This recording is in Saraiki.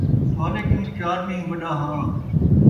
تہاݙے کنوں چار ݙین٘ہ وَݙّا ہاں